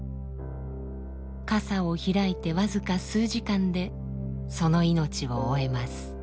かさを開いて僅か数時間でその命を終えます。